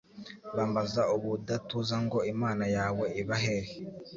bambaza ubudatuza ngo Imana yawe iba hehe?»